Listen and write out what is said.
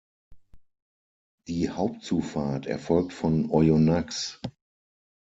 Die Hauptzufahrt erfolgt von Oyonnax.